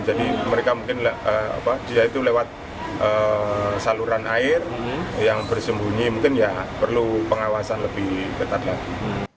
jadi mereka mungkin jika itu lewat saluran air yang bersembunyi mungkin ya perlu pengawasan lebih betat lagi